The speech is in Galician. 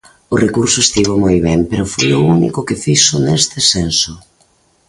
O recurso estivo moi ben pero foi o único que fixo neste senso.